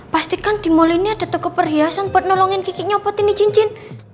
pasti kan di mall ini ada toko perhiasan buat nolongin kikik nyopetin cincin